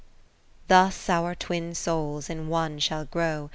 IX Thus our twin souls in one shall grow.